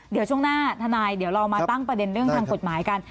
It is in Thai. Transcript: เดี๋ยวช่วงหน้าทนายเดี๋ยวเรามาตั้งประเด็นเรื่องทางกฎหมายกัน